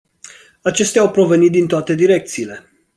Acestea au provenit din toate direcțiile.